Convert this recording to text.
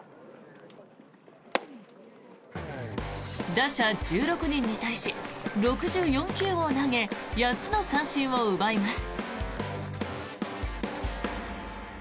打者１６人に対し６４球を投げ８つの三振を奪います。